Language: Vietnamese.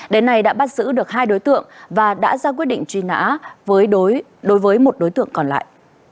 đến nay đã bắt giữ được hai đối tượng và đã ra quyết định truy nã đối với một đối tượng còn lại